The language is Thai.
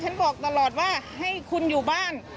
บอกตลอดว่าให้คุณอยู่บ้าน